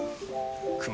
熊。